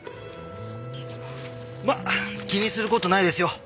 まあ気にする事ないですよ。